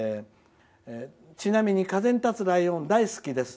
ちなみに「風に立つライオン」大好きです」。